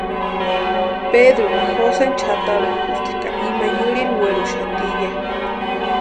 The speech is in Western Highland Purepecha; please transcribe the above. Pedrunha Joseni chʼatarhukusti ka ima yurhiri werhuxati ya.